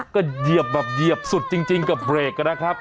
ก็เหยียบซุดจริงกับเบรกระนะครับ